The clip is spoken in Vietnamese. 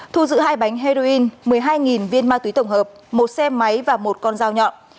thu giữ hai bánh heroin một mươi hai viên ma túy tổng hợp một xe máy và một con dao nhọn